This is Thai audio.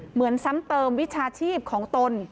เหมือนซ้ำเติมวิชาชีพของตน